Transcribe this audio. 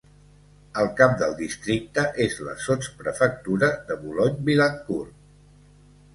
El cap del districte és la sotsprefectura de Boulogne-Billancourt.